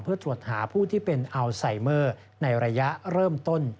เพื่อตรวจหาผู้ที่เป็นอัลไซเมอร์ในระยะเริ่มต้น